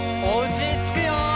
「おうちにつくよ」